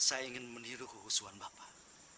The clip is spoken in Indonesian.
saya ingin meniru kehusuan bapak